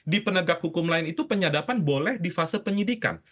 di penegak hukum lain itu penyadapan boleh di fase penyidikan